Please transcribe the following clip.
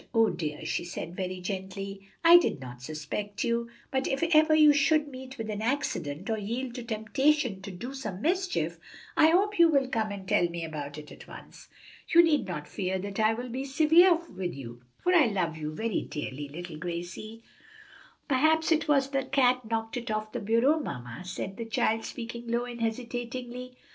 "No, dear," she said very gently, "I did not suspect you, but if ever you should meet with an accident, or yield to temptation to do some mischief, I hope you will come and tell me about it at once. You need not fear that I will be severe with you, for I love you very dearly, little Gracie." "Perhaps it was the cat knocked it off the bureau, mamma," said the child, speaking low and hesitatingly.